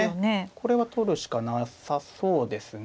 これは取るしかなさそうですね。